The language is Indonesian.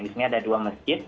di sini ada dua masjid